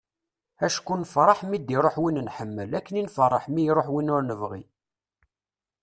acku nfeṛṛeḥ mi d-iruḥ win nḥemmel akken i nfeṛṛeḥ mi iruḥ win ur nebɣi